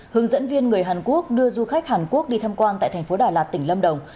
hướng dẫn viên người hàn quốc đưa du khách hàn quốc đi tham quan tại thành phố đà lạt tỉnh lâm đồng